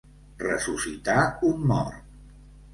Ressuscitar un mort.